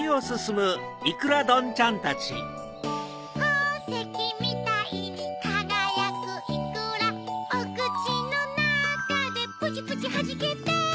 ほうせきみたいにかがやくいくらおくちのなかでプチプチはじけて